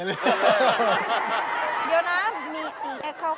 เดี๋ยวนะมีอีกแกล้ว